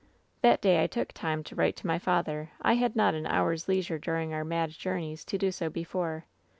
^ "That day I took time to write to my father. I had not an hour's leisure during our mad journeys to do so before.